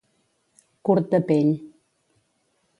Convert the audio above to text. Curt de pell.